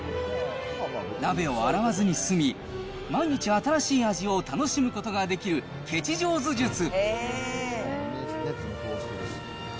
鍋を洗わずに済み、毎日新しい味を楽しむことができるケチ上手術。